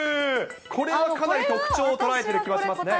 これはかなり特徴を捉えてる気はしますね。